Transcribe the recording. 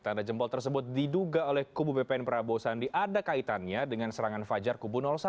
tanda jempol tersebut diduga oleh kubu bpn prabowo sandi ada kaitannya dengan serangan fajar kubu satu